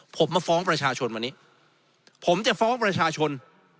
ผมมาฟ้องประชาชนวันนี้ผมจะฟ้องประชาชน